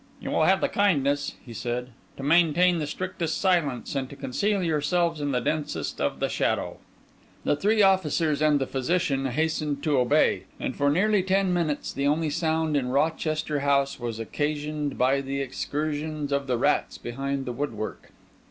"You will have the kindness," he said, "to maintain the strictest silence, and to conceal yourselves in the densest of the shadow." The three officers and the physician hastened to obey, and for nearly ten minutes the only sound in Rochester House was occasioned by the excursions of the rats behind the woodwork.